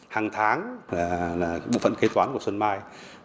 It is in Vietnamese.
hàng tháng là bộ phận kế toán của xuân mai